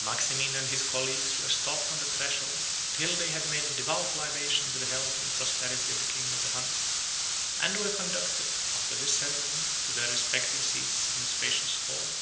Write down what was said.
Maximin and his colleagues were stopped on the threshold, till they had made a devout libation to the health and prosperity of the king of the Huns; and were conducted, after this ceremony, to their respective seats in a spacious hall.